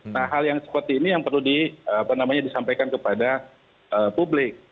nah hal yang seperti ini yang perlu disampaikan kepada publik